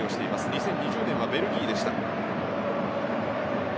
２０２０年はベルギーでした。